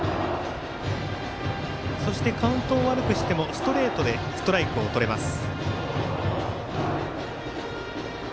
カウントを悪くしてもストレートでストライクをとれます。